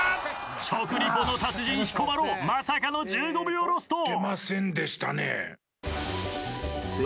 食リポの達人彦摩呂まさかの１５秒ロスト！出ませんでしたね。